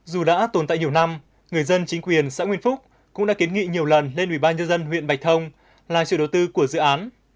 dù đã tồn tại nhiều năm người dân chính quyền xã nguyễn phúc cũng đã kiến nghị nhiều lần lên ubnd huyện bạch thông làm sự đầu tư của dự án